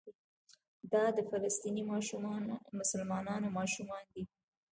دا د فلسطیني مسلمانانو ماشومان دي.